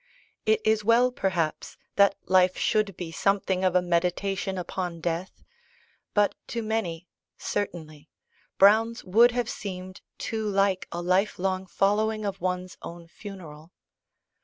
It is well, perhaps, that life should be something of a "meditation upon death": but to many, certainly, Browne's would have seemed too like a lifelong following of one's own funeral.